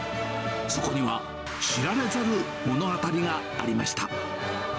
そこには知られざる物語がありました。